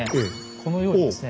このようにですね